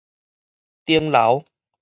燈樓